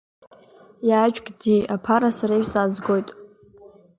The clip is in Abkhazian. Иаажәг, ди, аԥара, сара ишәзаазгоит!